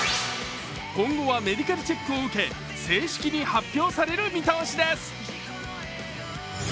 今後はメディカルチェックを受けて正式に発表される見通しです。